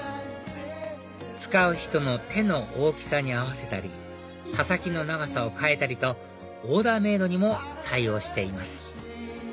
使う人の手の大きさに合わせたり刃先の長さを変えたりとオーダーメイドにも対応しています